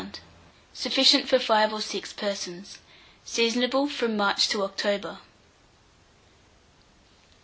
Sufficient for 5 or 6 persons. Seasonable from March to October.